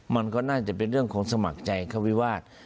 มันก็น่าจะเป็นเรื่องของสมัครใจเข้าวิวาส